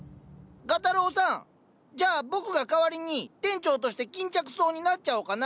画太郎さんじゃあ僕が代わりに店長として巾着草になっちゃおうかな。